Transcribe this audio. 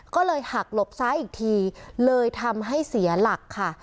ก็เลยหักหลบซ้ายอีกทีเลยทำให้เสียหลักค่ะ